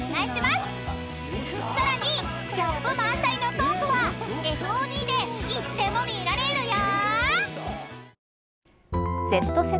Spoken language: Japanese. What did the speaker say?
［さらにギャップ満載のトークはＦＯＤでいつでも見られるよ］